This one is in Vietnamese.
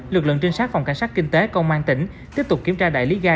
lực lượng trinh sát phòng cảnh sát kinh tế công an tỉnh tiếp tục kiểm tra đại lý ga